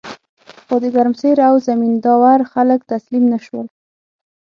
خو د ګرمسیر او زمین داور خلک تسلیم نشول.